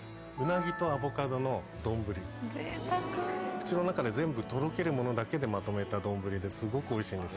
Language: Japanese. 口の中で全部とろけるものだけでまとめた丼ですごくおいしいんです。